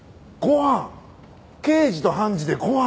刑事と判事でご飯！？